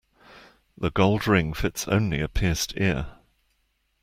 The gold ring fits only a pierced ear.